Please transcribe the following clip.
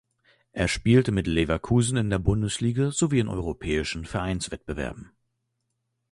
Er spielte mit Leverkusen in der Bundesliga sowie in europäischen Vereinswettbewerben.